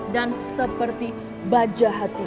dan seperti baja hati lo